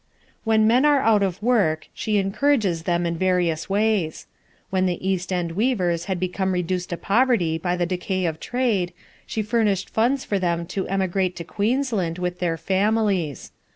When men are out of work, she encourages them in various ways. When the East End weavers had become reduced to poverty by the decay of trade, she furnished funds for them to emigrate to Queensland, with their families.